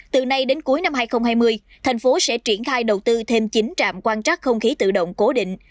từ nay đến cuối năm hai nghìn hai mươi thành phố sẽ triển khai đầu tư thêm chín trạm quan trắc không khí tự động cố định